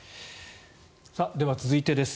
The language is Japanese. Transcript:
では、続いてです。